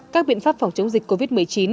các biện pháp phòng chống dịch covid một mươi chín